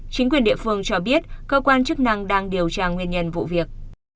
chính quyền địa phương cho biết cơ quan chức năng đang điều tra nguyên nhân vụ việc